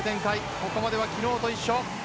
ここまでは昨日と一緒。